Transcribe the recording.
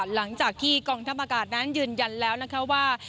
หลังจากที่กองทัพอากาศนั้นยืนยันแล้วนะคะว่า